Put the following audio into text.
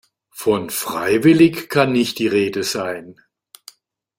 Von freiwillig kann nicht die Rede sein.